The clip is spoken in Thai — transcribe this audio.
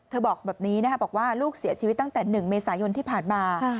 บอกแบบนี้นะคะบอกว่าลูกเสียชีวิตตั้งแต่๑เมษายนที่ผ่านมา